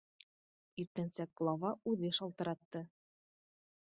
Иртәнсәк глава үҙе шылтыратты.